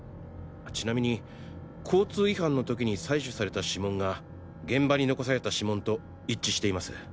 ちなみに交通違反の時に採取された指紋が現場に残された指紋と一致しています。